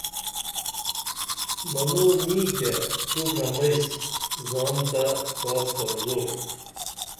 منو نی تیہ تو ڇمئیس زان تہ کاس کمزور